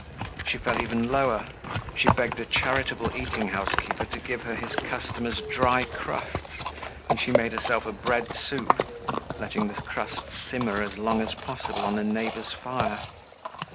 She fell even lower—she begged a charitable eating house keeper to give her his customers' dry crusts, and she made herself a bread soup, letting the crusts simmer as long as possible on a neighbor's fire.